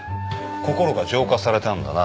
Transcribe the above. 心が浄化されたんだな。